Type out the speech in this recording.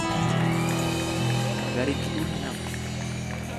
Garittuu hin hafu.